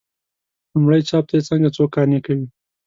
لومړي چاپ ته یې څنګه څوک قانع کوي.